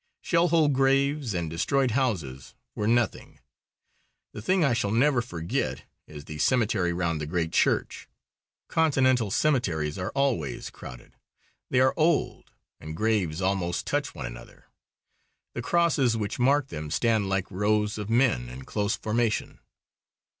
Shell hole graves and destroyed houses were nothing. The thing I shall never forget is the cemetery round the great church. Continental cemeteries are always crowded. They are old, and graves almost touch one another. The crosses which mark them stand like rows of men in close formation.